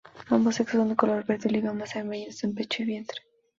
Ambos sexos son color verde oliva, más amarillento en pecho y vientre.